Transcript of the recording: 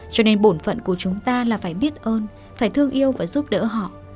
cho nên bổn phận của chúng ta là phải biết ơn phải thương yêu và giúp đỡ họ